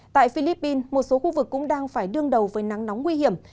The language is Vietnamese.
tại philippines một số khu vực cũng đang phải đương đầu với nắng nóng nguy hiểm